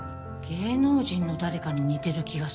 芸能人の誰かに似てる気がする。